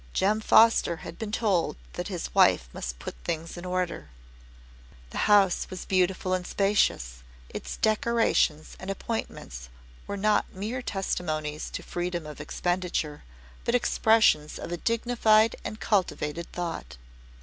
Jem Foster had been told that his wife must put things in order. The house was beautiful and spacious, its decorations and appointments were not mere testimonies to freedom of expenditure, but expressions of a dignified and cultivated thought.